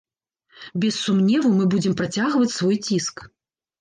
Без сумневу, мы будзем працягваць свой ціск.